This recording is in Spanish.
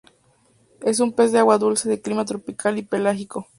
Es un pez de agua dulce de clima tropical y pelágico.